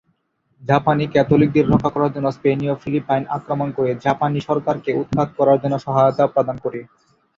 জাপানি ক্যাথলিকদের রক্ষা করার জন্য স্পেনীয় ফিলিপাইন আক্রমণ করে জাপানী সরকারকে উৎখাত করার জন্য সহায়তা প্রদান করে।